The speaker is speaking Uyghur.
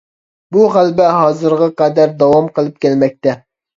بۇ غەلىبە ھازىرغا قەدەر داۋام قىلىپ كەلمەكتە.